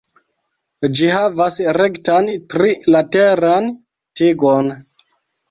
Ĝi havas rektan, tri-lateran tigon.